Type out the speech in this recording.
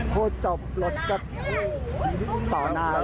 พูดจบรถก็ต่อหน้า